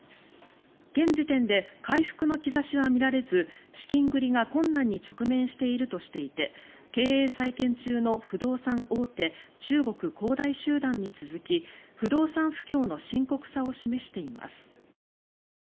現時点で回復の兆しは見られず資金繰りが困難に直面しているとしていて経営再建中の不動産大手中国恒大集団に続き不動産不況の深刻さを示しています。